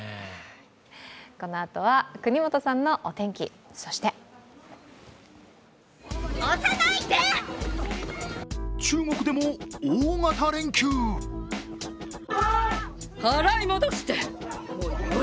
このあとは國本さんのお天気、そしてお天気です、國本さん